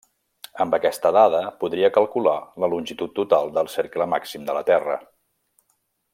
Amb aquesta dada podria calcular la longitud total del cercle màxim de la Terra.